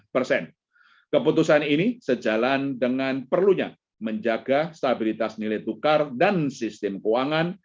keputusan ini sejalan dengan perlunya menjaga stabilitas nilai tukar dan sistem keuangan